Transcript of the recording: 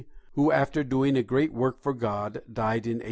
who after doing a great work for God, died in 1891.